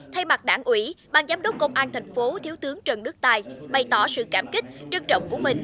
thay mặt đảng ủy bang giám đốc công an thành phố thiếu tướng trần đức tài bày tỏ sự cảm kích trân trọng của mình